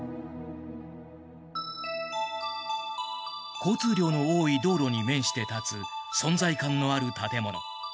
交通量の多い道路に面して立つ存在感のある建物。